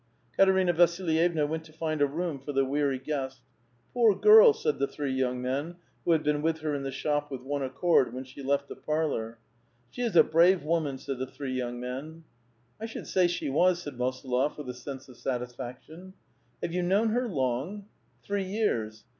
Katerina Vasilyevna went to find a room for the weary. guest. " Poor girl !" said the three young men, who had been with her in the shop, with one accord, when she left the parlor. " She is a brave woman !" said the three young men. A VITAL QUESTIOlf. 46^ "I should say she was/' said Mosolof, with a sense of satisf action." " Have 3'ou known her long?" Three years."